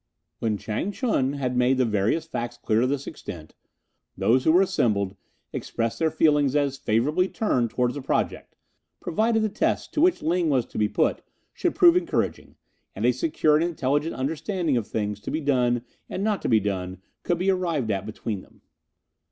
When Chang Ch'un had made the various facts clear to this extent, those who were assembled expressed their feelings as favourably turned towards the project, provided the tests to which Ling was to be put should prove encouraging, and a secure and intelligent understanding of things to be done and not to be done could be arrived at between them.